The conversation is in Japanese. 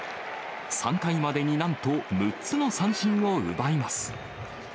３回までになんと６つの三振を奪います。